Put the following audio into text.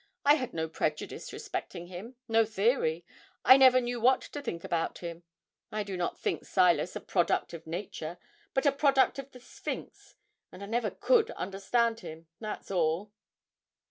I had no prejudice respecting him no theory. I never knew what to think about him. I do not think Silas a product of nature, but a child of the Sphinx, and I never could understand him that's all.'